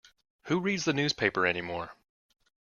Who reads the newspaper anymore?